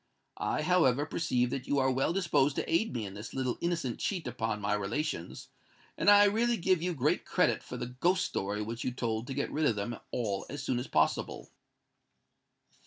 I, however, perceive that you are well disposed to aid me in this little innocent cheat upon my relations; and I really give you great credit for the ghost story which you told to get rid of them all as soon as possible."